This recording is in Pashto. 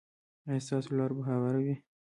ایا ستاسو لاره به هواره وي؟